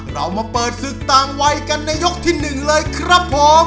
เรามาเปิดศึกต่างวัยกันในยกที่๑เลยครับผม